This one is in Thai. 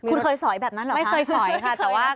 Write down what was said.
คุณเคยสอยแบบนั้นเหรอไม่เคยสอยค่ะแต่ว่า